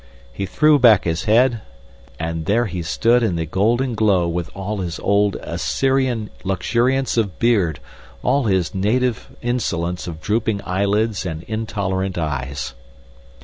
He threw back his head, and there he stood in the golden glow with all his old Assyrian luxuriance of beard, all his native insolence of drooping eyelids and intolerant eyes.